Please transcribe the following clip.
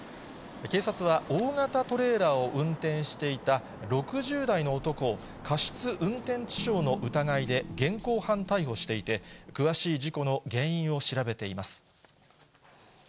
警察は大型トレーラーを運転していた６０代の男を、過失運転致傷の疑いで現行犯逮捕していて、詳しい事故の原因を調べています。